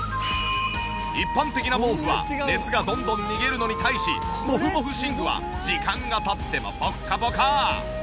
一般的な毛布は熱がどんどん逃げるのに対しモフモフ寝具は時間が経ってもぽっかぽか。